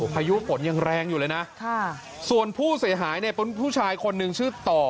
พายุฝนยังแรงอยู่เลยนะส่วนผู้เสียหายเนี่ยเป็นผู้ชายคนหนึ่งชื่อต่อ